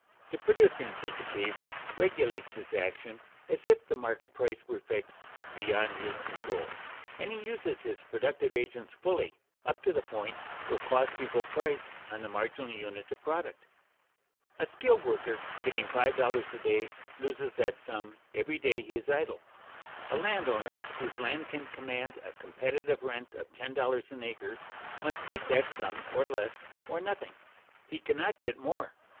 The producer in such a case regulates his action as if the market price were fixed beyond his control, and he uses his productive agents fully up to the point where costs equal price on the marginal unit of product. A skilled worker getting five dollars a day loses that sum every day he is idle. A landowner whose land can command a competitive rent of ten dollars an acre must take that sum or less, or nothing; he cannot get more.